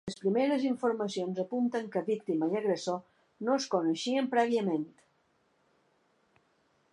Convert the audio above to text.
Les primeres informacions apunten que víctima i agressor no es coneixien prèviament.